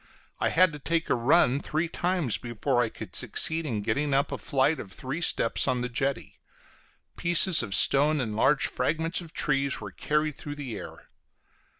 I had to take a run three times before I could succeed in getting up a flight of three steps on the jetty; pieces of stone and large fragments of trees were carried through the air.